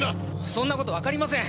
そんな事わかりません！